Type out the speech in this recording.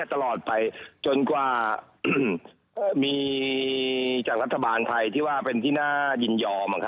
ตลอดไปจนกว่าก็มีจากรัฐบาลไทยที่ว่าเป็นที่น่ายินยอม